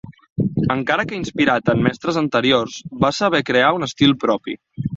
Encara que inspirat en mestres anteriors va saber va crear un estil propi.